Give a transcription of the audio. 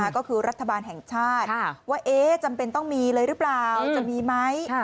ก็คือรัฐบาลแห่งชาติว่าจำเป็นต้องมีเลยหรือเปล่าจะมีไหม